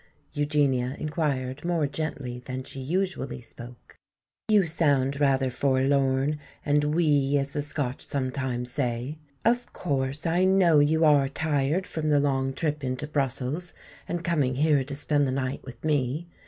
Eugenia inquired more gently than she usually spoke. "You sound rather forlorn and 'wee' as the Scotch sometimes say. Of course, I know you are tired from the long trip into Brussels and coming here to spend the night with me.